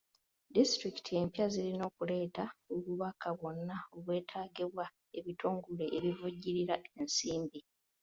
Disitulikiti empya zirina okuleeta obubaka bwonna obwetagibwa ebitongole ebivujjirira ensmbi.